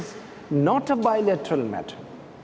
ini adalah hal yang berbaloi